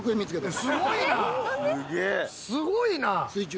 すごいな！